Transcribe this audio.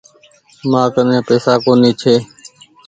مآ ڪني پئيسا ڪونيٚ ڇي۔